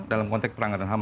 dalam konteks pelanggaran ham